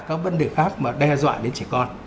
các vấn đề khác mà đe dọa đến trẻ con